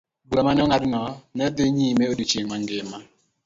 Bura ma ne ong'adno ne dhi nyime odiechieng' mangima.